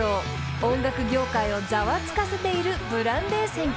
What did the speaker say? ［音楽業界をざわつかせているブランデー戦記］